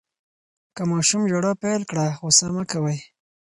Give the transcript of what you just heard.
که ماشوم ژړا پیل کړه، غوصه مه کوئ.